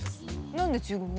何で中国語？